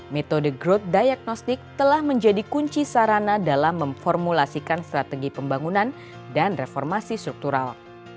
metode growth diagnostic telah menjadi kunci sarana dalam memformulasikan strategi pembangunan dan reformasi struktural